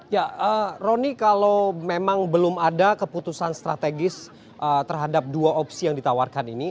ya roni kalau memang belum ada keputusan strategis terhadap dua opsi yang ditawarkan ini